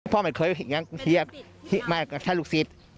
พ่อไม่เคยเทียบท่านลูกศิษย์